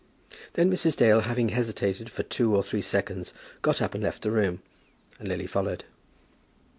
Then Mrs. Dale, having hesitated for two or three seconds, got up and left the room, and Lily followed.